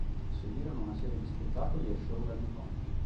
Seguirono una serie di spettacoli e show radiofonici.